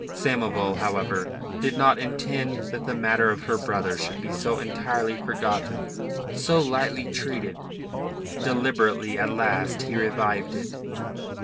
Samoval, however, did not intend that the matter of her brother should be so entirely forgotten, so lightly treated. Deliberately at last he revived it.